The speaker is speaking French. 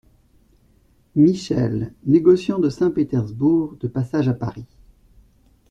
Michel, négociant de Saint-Pétersbourg, de passage à Paris.